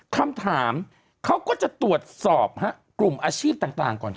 คำถามเขาก็จะตรวจสอบกลุ่มอาชีพต่างก่อน